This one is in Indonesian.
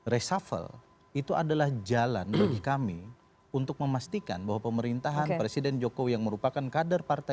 resafal itu adalah jalan bagi kami untuk memastikan bahwa pemerintahan presiden jokowi yang merupakan kader partai yang berada di dalam